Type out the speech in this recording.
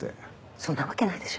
そんなわけないでしょ。